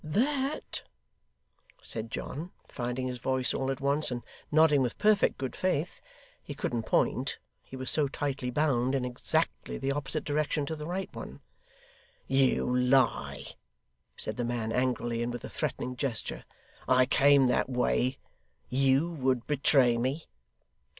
'That!' said John, finding his voice all at once, and nodding with perfect good faith he couldn't point; he was so tightly bound in exactly the opposite direction to the right one. 'You lie!' said the man angrily, and with a threatening gesture. 'I came that way. You would betray me.